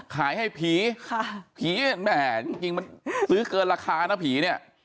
ขายให้ผีผีแหมจริงมันซื้อเกินราคานะผีเนี่ย